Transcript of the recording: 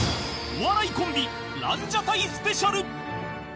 お笑いコンビランジャタイスペシャル！